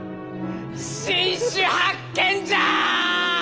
新種発見じゃ！